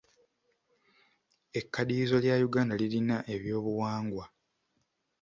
Ekkaddiyizo lya Uganda lirina ebyobuwangwa.